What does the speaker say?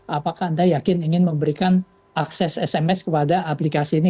apakah anda yakin ingin memberikan akses sms kepada aplikasi ini